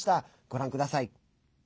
ご覧ください。